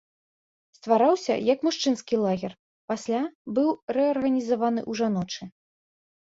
Ствараўся як мужчынскі лагер, пасля быў рэарганізаваны ў жаночы.